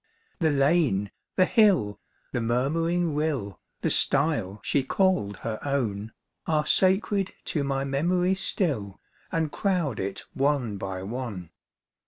The lane, the hill, the murmuring rill, The stjje she called her own, Are sacred to my memory still, And crowd it one by one.